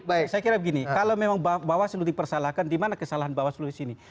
baik saya kira begini kalau memang bawah seluruh dipersalahkan di mana kesalahan bawah seluruh disini